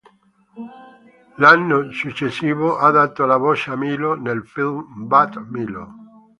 L'anno successivo ha dato la voce a Milo nel film "Bad Milo!